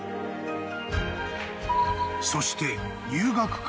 ［そして］